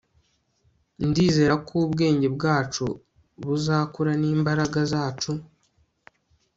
ndizera ko ubwenge bwacu buzakura n'imbaraga zacu